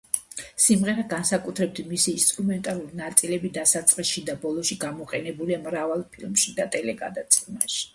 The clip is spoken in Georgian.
სიმღერა, განსაკუთრებით მისი ინსტრუმენტალური ნაწილები დასაწყისში და ბოლოში, გამოყენებულია მრავალ ფილმში და ტელეგადაცემაში.